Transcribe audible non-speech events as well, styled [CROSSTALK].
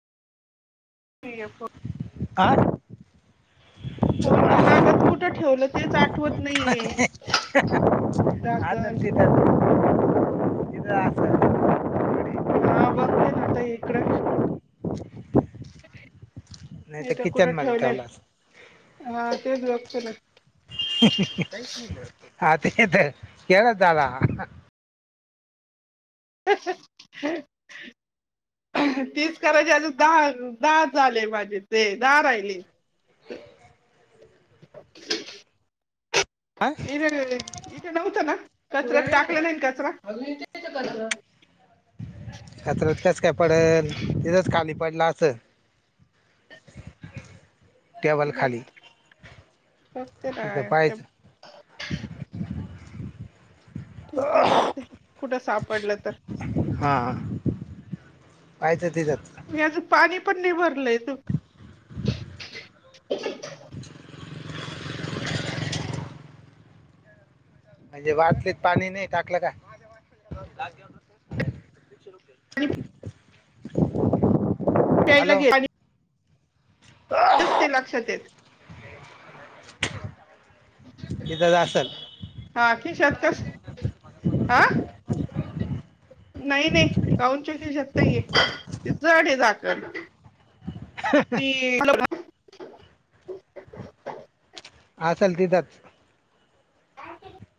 हा [UNINTELLIGIBLE] फोनच्या नादात कुठं ठेवलं तेच आट झाकण [UNINTELLIGIBLE] हा बघते ना आता इकडं नाही तर इतं कुठे किचनमध्ये ठेवले, ठेवला असं अ तेच बघते बग. हां ते त, तेळच झाला. [INAUDIBLE] तीच करायची आता धा-धाच झाले माझे ते दहा राहिले. इ इथ नव्हत ना कचरात टाकलं नाही कचरा? आजून इथे [UNINTELLIGIBLE] कचरा. कचऱ्यात कसं काय पडल, तितच खाली पडलं असंल. टेबल खाली. फक्त तिथं काय पाहायचं [UNINTELLIGIBLE] ठीके बघते, कुठं सापडलं तर. हां, काय तर मी अजू पाणी पण नई भरलंय तूक म्हणजे बाटलीत पाणी नई टाकलं का? [INAUDIBLE] प्यायला हॅलो घे [UNINTELLIGIBLE] तेच ते लक्षात येत. इतच आसल. हां खिशात कस? हां, नाई-नई काऊन [UNINTELLIGIBLE] शकतय ये [UNINTELLIGIBLE] झाकन. पी [UNINTELLIGIBLE] आसल तिथंच.